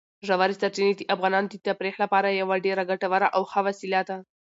ژورې سرچینې د افغانانو د تفریح لپاره یوه ډېره ګټوره او ښه وسیله ده.